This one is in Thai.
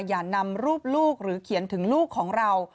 อย่านำรูปลูกหรือเขียนถึงลูกของเรา